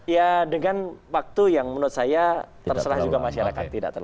ya dengan waktu yang menurut saya terserah juga masyarakat